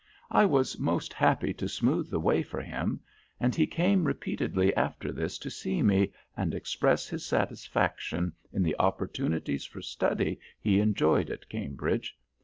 I was most happy to smooth the way for him, and he came repeatedly after this to see me and express his satisfaction in the opportunities for study he enjoyed at Cambridge.